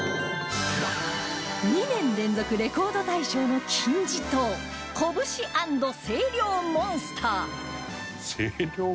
２年連続レコード大賞の金字塔こぶし＆声量モンスター